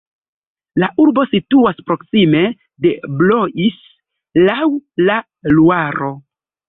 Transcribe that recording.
La urbo situas proksime de Blois laŭ la Luaro.